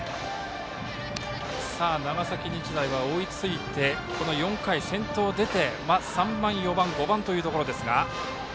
長崎日大は追いついて４回、先頭が出て３番、４番、５番というところ。